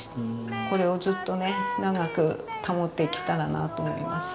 これをずっとね長く保っていけたらなと思います。